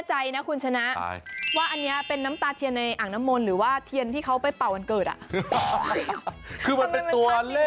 ให้ดูภาพกันหน่อยนะคะ